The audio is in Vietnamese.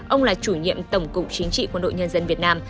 ông là chủ nhiệm tổng cục chính trị quân đội nhân dân việt nam